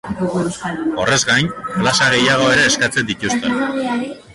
Horrez gain, plaza gehiago ere eskatzen dituzte.